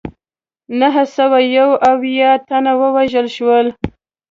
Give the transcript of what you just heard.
نهه سوه یو اویا تنه ووژل شول.